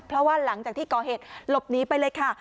เพราะว่าหลังจากที่ก่อเหตุหลบหนีไปเลยค่ะ